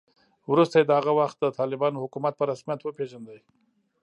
وروسته یې د هغه وخت د طالبانو حکومت په رسمیت وپېژاند